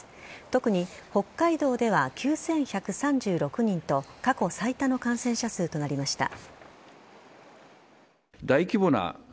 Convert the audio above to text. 特に北海道では９１３６人と過去最多の感染者数となりました。